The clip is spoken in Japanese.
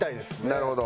なるほど。